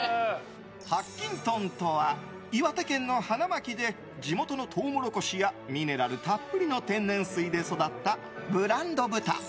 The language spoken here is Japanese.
白金豚とは岩手県の花巻で地元のトウモロコシやミネラルたっぷりの天然水で育ったブランド豚。